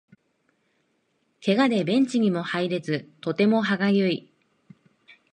ケガでベンチにも入れずとても歯がゆい